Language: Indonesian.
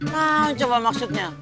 nah coba maksudnya